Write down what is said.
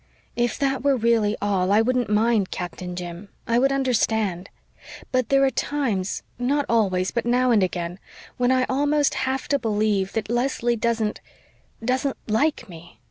"If that were really all, I wouldn't mind, Captain Jim. I would understand. But there are times not always, but now and again when I almost have to believe that Leslie doesn't doesn't like me.